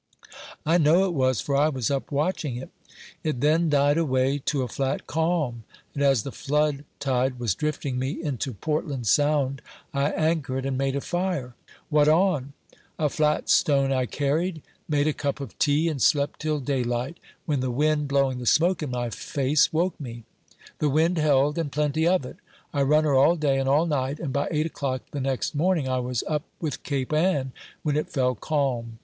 "I know it was; for I was up watching it." "It then died away to a flat calm; and as the flood tide was drifting me into Portland Sound, I anchored and made a fire." "What on?" "A flat stone I carried; made a cup of tea, and slept till daylight, when the wind, blowing the smoke in my face, woke me. The wind held, and plenty of it. I run her all day and all night, and by eight o'clock the next morning I was up with Cape Ann, when it fell calm.